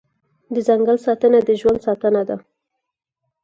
د ځنګل ساتنه د ژوند ساتنه ده